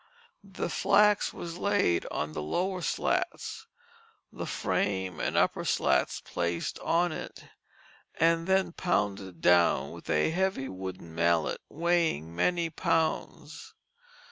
The flax was laid on the lower slats, the frame and upper slats placed on it, and then pounded down with a heavy wooden mallet weighing many pounds.